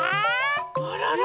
あらら！